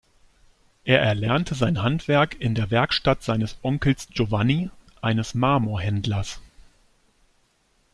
Er erlernte sein Handwerk in der Werkstatt seines Onkels Giovanni, eines Marmor-Händlers.